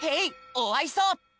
おあいそ！